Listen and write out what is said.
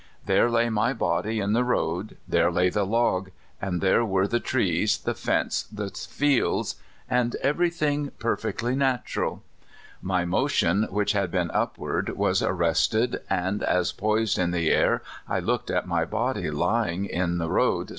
There lay my body in the road, there lay the log, and there were the trees, the fence, the fields, and every thing, perfectly natural. My motion, which had been upward, was arrested, and as, poised in the air, I looked at rny body lying there in the road FATHER FISHER.